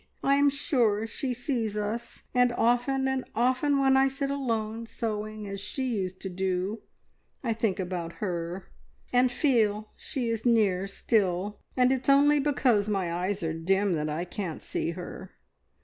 I am sure she sees us, and often and often when I sit alone sewing as she used to do, I think about her, and feel she is near still, and it's only because my eyes are dim that I can't see her.